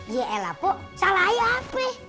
yaelah po salah ayah peh